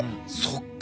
そっか